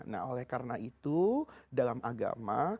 nah oleh karena itu dalam agama